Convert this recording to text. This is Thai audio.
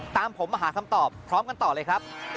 ตามผมมาหาคำตอบพร้อมกันต่อเลยครับ